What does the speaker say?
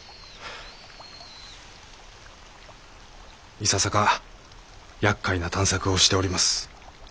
いささかやっかいな探索をしております。